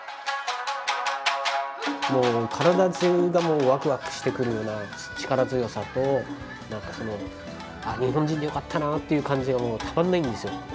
もう体中がワクワクしてくるような力強さと何かその日本人でよかったなという感じがたまんないんですよ。